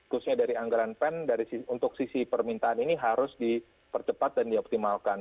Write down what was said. khususnya dari anggaran pen untuk sisi permintaan ini harus dipercepat dan dioptimalkan